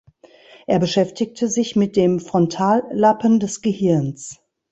Er beschäftigte sich mit dem Frontallappen des Gehirns.